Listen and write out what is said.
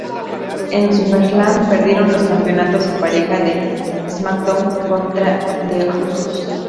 En Summerslam perdieron los Campeonatos en Pareja de Smackdown contra The Usos.